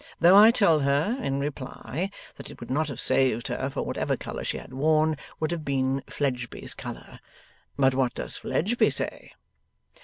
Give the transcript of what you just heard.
Though I tell her, in reply, that it would not have saved her, for whatever colour she had worn would have been Fledgeby's colour. But what does Fledgeby say?